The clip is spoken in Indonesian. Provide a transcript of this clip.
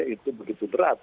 itu begitu berat